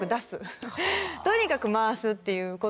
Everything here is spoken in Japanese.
とにかく回すっていうこと。